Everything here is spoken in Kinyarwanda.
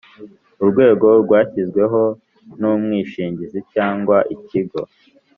Urwego rwashyizweho n umwishingizi cyangwa ikigo